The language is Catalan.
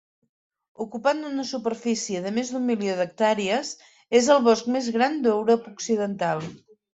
Ocupant una superfície de més d'un milió d'hectàrees, és el bosc més gran d'Europa Occidental.